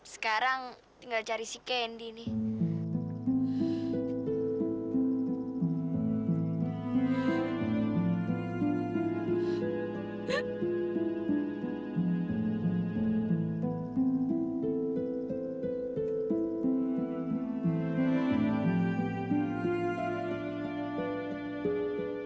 sekarang tinggal cari si candy nih